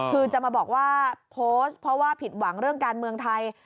คือจะมาบอกว่าโพสต์เพราะว่าผิดหวังเรื่องการเมืองไทย